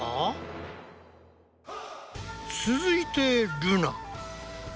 続いてルナ。